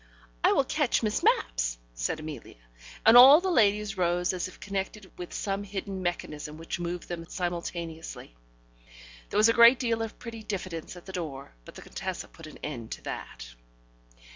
"I will catch Miss Mapp's," said Amelia, and all the ladies rose as if connected with some hidden mechanism which moved them simultaneously. ... There was a great deal of pretty diffidence at the door, but the Contessa put an end to that.